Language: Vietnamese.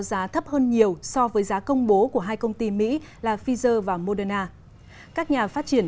giá thấp hơn nhiều so với giá công bố của hai công ty mỹ là pfizer và moderna các nhà phát triển